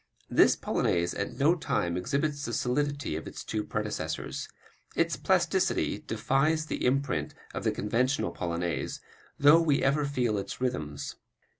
This Polonaise at no time exhibits the solidity of its two predecessors; its plasticity defies the imprint of the conventional Polonaise, though we ever feel its rhythms.